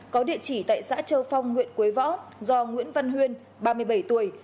có địa chỉ tại xã châu phong huyện quế võ do nguyễn văn huyên ba mươi bảy tuổi